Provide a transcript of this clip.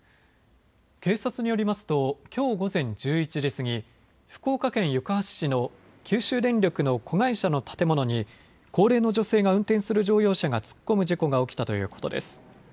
警察によりますときょう午前１１時過ぎ、福岡県行橋市の九州電力の子会社の建物に高齢の女性が運転する乗用車が突っ込む事故が起きたということです。